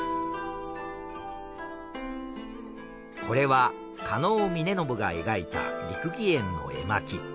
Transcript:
これは狩野岑信が描いた六義園の絵巻。